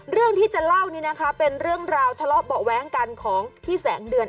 เรื่องที่จะเล่านี้นะคะเป็นเรื่องราวทะเลาะเบาะแว้งกันของพี่แสงเดือน